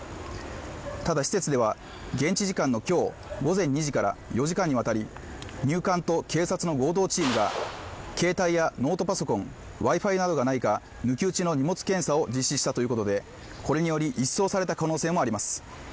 ただ施設では現地時間のきょう午前２時から４時間にわたり入管と警察の合同チームが携帯やノートパソコンＷｉ−Ｆｉなどがないか抜き打ちの荷物検査を実施したということでこれにより一掃された可能性もあります